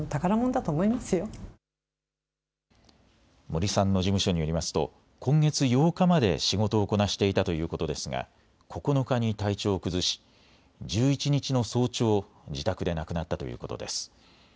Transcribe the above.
森さんの事務所によりますと今月８日まで仕事をこなしていたということですが９日に体調を崩し１１日の早朝、自宅で亡くなったということです。